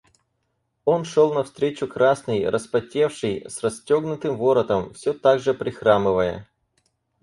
Он шел навстречу красный, распотевший, с расстегнутым воротом, всё так же прихрамывая.